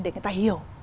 để người ta hiểu